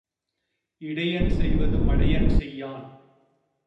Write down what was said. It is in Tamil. இடையன் செய்வது மடையன் செய்யான்.